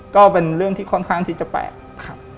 ก็เป็นเรื่องที่ค่อนข้างที่จะแปลกครับ